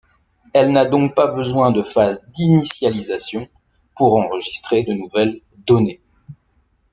Elle n'a donc pas besoin de phase d'initialisation pour enregistrer de nouvelles données.